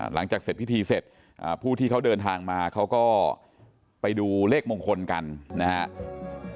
หลังจากเสร็จพิธีเสร็จผู้ที่เขาเดินทางมาเขาก็ไปดูเลขมงคลกันนะครับ